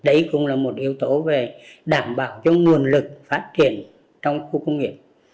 đấy cũng là một yếu tố về đảm bảo cho nguồn lực phát triển trong khu công nghiệp